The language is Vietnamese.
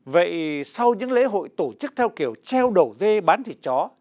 vậy sau những lễ hội tổ chức theo kiểu treo đầu dê bán thịt chó